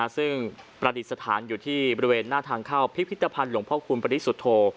ซึ่งประดิษฐานอยู่ที่บริเวณหน้าทางเข้าพิพิธภัณฑ์หลวงพ่อคุณปริสุทธโธ